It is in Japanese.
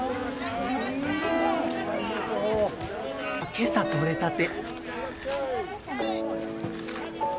今朝取れたて。